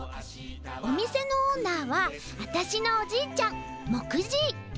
おみせのオーナーはあたしのおじいちゃんもくじぃ。